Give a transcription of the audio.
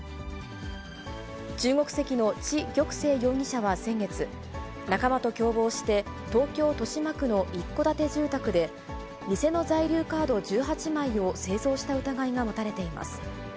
中国籍の池玉成容疑者は先月、仲間と共謀して、東京・豊島区の一戸建て住宅で偽の在留カード１８枚を製造した疑いが持たれています。